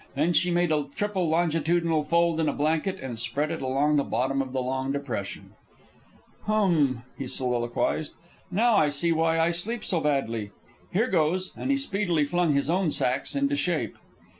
Then she made a triple longitudinal fold in a blanket and spread it along the bottom of the long depression. "Hum!" he soliloquized. "Now I see why I sleep so badly. Here goes!" And he speedily flung his own sacks into shape.